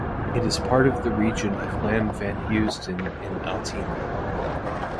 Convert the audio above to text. It is part of the region of Land van Heusden en Altena.